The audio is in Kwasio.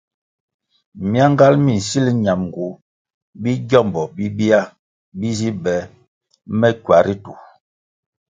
Myangal mi nsil ñamgu bi gyómbo bibia bi zi be me kywa ritu.